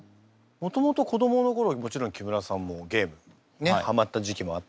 もともと子どもの頃もちろん木村さんもゲームハマった時期もあった。